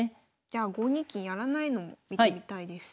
じゃあ５二金やらないのも見てみたいです。